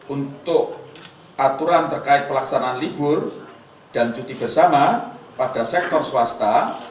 untuk aturan terkait pelaksanaan libur dan cuti bersama pada sektor swasta